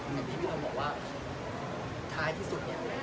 อย่างที่พี่ออมบอกว่าท้ายที่สุดเนี่ย